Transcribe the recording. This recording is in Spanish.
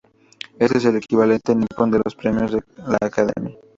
Este es el equivalente nipón de los premios de la academia.